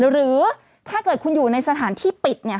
หรือถ้าเกิดคุณอยู่ในสถานที่ปิดเนี่ย